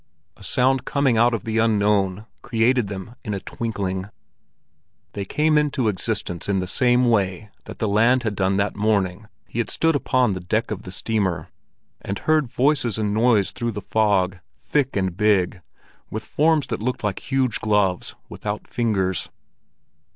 A sound coming out of the unknown created them in a twinkling. They came into existence in the same way that the land had done that morning he had stood upon the deck of the steamer, and heard voices and noise through the fog, thick and big, with forms that looked like huge gloves without fingers.